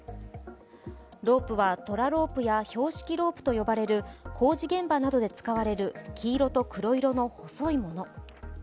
ロープはトラロープや標識ロープと呼ばれる工事現場などで使われる黄色と黒色の細いもの。